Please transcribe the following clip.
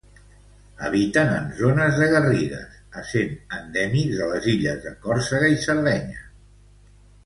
Habiten en zones de garrigues, essent endèmics de les illes de Còrsega i Sardenya.